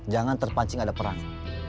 jangan terpancing ada perang